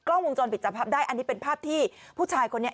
อันนี้เป็นภาพผู้เช้ากันเปื้อน